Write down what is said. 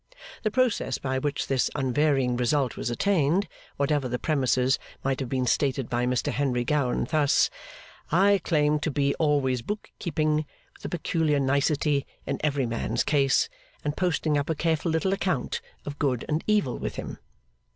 The process by which this unvarying result was attained, whatever the premises, might have been stated by Mr Henry Gowan thus: 'I claim to be always book keeping, with a peculiar nicety, in every man's case, and posting up a careful little account of Good and Evil with him.